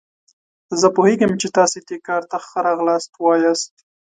زه پوهیږم چې تاسو دې کار ته ښه راغلاست وایاست.